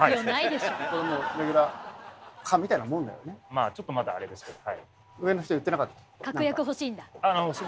まあちょっとまだあれですけど。